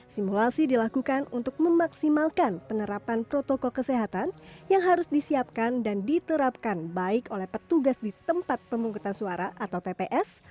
simulasi dilakukan untuk memaksimalkan penerapan protokol kesehatan yang harus disiapkan dan diterapkan baik oleh petugas di tempat pemungutan suara atau tps